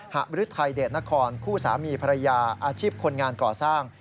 หมฤทัยเดชนครคู่สามีภรรยาอาชีพคนงานก่อสร้าง